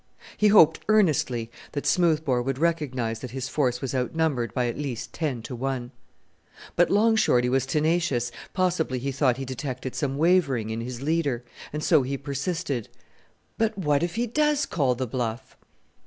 He hoped earnestly that Smoothbore would recognize that his force was outnumbered by at least ten to one. But Long Shorty was tenacious; possibly he thought he detected some wavering in his leader. And so he persisted, "But if he does call the bluff?"